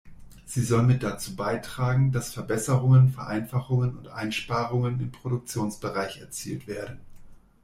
Sie soll mit dazu beitragen, dass Verbesserungen, Vereinfachungen und Einsparungen im Produktionsbereich erzielt werden.